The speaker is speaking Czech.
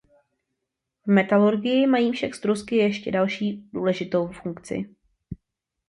V metalurgii mají však strusky ještě další důležitou funkci.